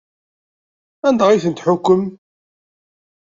Anda ay tent-tḥukkem?